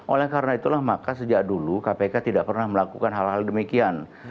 oleh karena itulah maka sejak dulu kpk tidak pernah melakukan hal hal demikian